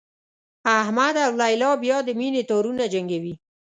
احمد او لیلا بیا د مینې تارونه جنګوي.